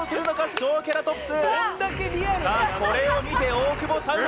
ショウケラトプス。